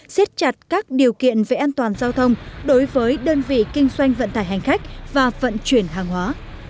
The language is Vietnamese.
xiết chặt các điều kiện về an toàn giao thông đối với đơn vị kinh doanh vận tải hành khách và vận chuyển hàng hóa